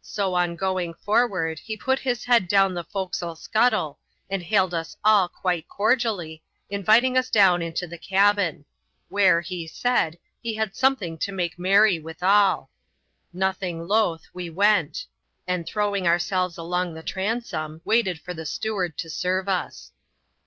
So on going forward, he put his head down the forecastle scuttle, and hailed us all quite cordially, inviting us down into the cabin ; where, he said, he had something to make merry withaL Nothing loth, we went ; and throwing ourselves along the transom, waited for the steward to serve us.